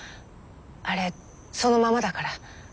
あれそのままだから。